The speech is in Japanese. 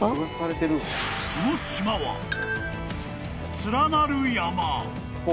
［その島は連なる山］